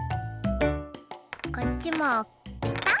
こっちもぴた。